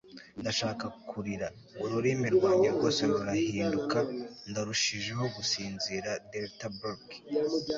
ndashaka kurira. ururimi rwanjye rwose rurahinduka. ndarushijeho gusinzira. delta burke